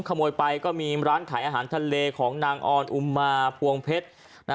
ขโมยไปก็มีร้านขายอาหารทะเลของนางออนอุมาพวงเพชร